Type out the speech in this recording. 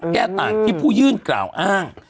แก้ต่างที่ผู้ยื่นกล่าวอ้าง